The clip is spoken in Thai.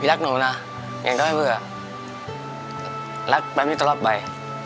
พี่รักหนูนะยังก็ไม่เผื่อรักแป๊บนี้ตลอดไป